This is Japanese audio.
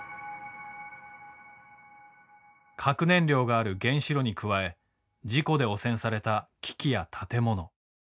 核燃料がある原子炉に加え事故で汚染された機器や建物。